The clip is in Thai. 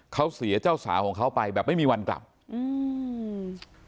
เขาเสียเจ้าสาวของเขาไปแบบไม่มีวันกลับอืม